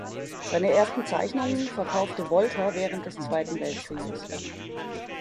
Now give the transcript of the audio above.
Seine ersten Zeichnungen verkaufte Wolter während des Zweiten Weltkrieges.